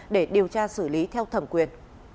để điều tra xử lý theo thẩm quyền